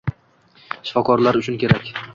Shifokorlar uchun kerak